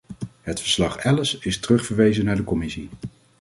Het verslag-Elles is terugverwezen naar de commissie.